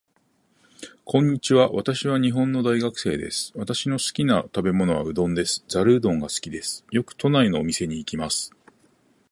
こんにちは。私は日本の大学生です。私の好きな食べ物はうどんです。ざるうどんが好きです。よく都内のお店に行きます。